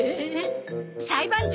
裁判長！